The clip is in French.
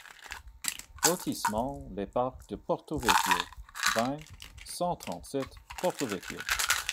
Lotissement Les Parcs de Porto Vécchio, vingt, cent trente-sept Porto-Vecchio